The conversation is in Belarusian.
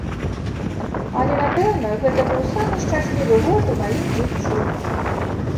Але, напэўна, гэта быў самы шчаслівы год у маім жыцці.